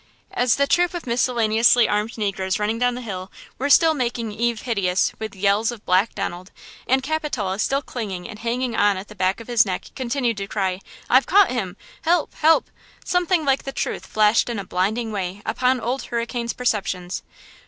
As the troop of miscellaneously armed negroes running down the hill were still making eve hideous with yells of "Black Donald!" and Capitola still clinging and hanging on at the back of his neck, continued to cry, "I've caught him! help! help!" something like the truth flashed in a blinding way upon Old Hurricane's perceptions.